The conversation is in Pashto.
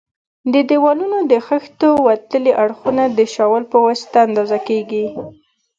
د دېوالونو د خښتو وتلي اړخونه د شاول په واسطه اندازه کوي.